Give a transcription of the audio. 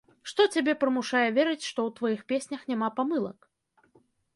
Што цябе прымушае верыць, што ў тваіх песнях няма памылак?